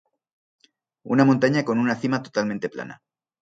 Una montaña con una cima totalmente plana.